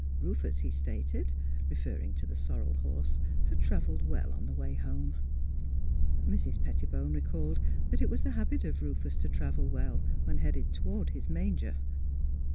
Rufus, he stated (referring to the sorrel horse), had travelled well on the way home. Mrs. Pet tibone recalled that it was the habit of Rufus to travel well when headed toward his manger.